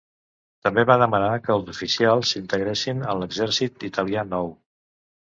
També va demanar que els oficials s'integressin en l'exèrcit italià nou.